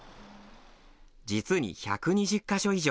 実に１２０か所以上。